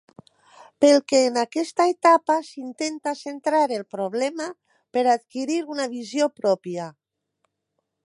Pel que en aquesta etapa s'intenta centrar el problema per adquirir una visió pròpia.